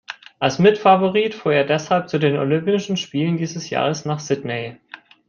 Als Mitfavorit fuhr er deshalb zu den Olympischen Spielen dieses Jahres nach Sydney.